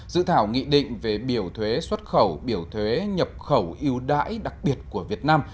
dự thảo nghị định về biểu thuế xuất khẩu biểu thuế nhập khẩu yêu đãi đặc biệt của việt nam